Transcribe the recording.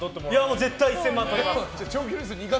絶対１０００万円とります。